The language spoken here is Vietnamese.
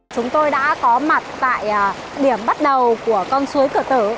chúng tôi đã có mặt tại điểm bắt đầu của con suối cửa tử